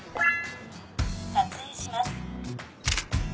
撮影します。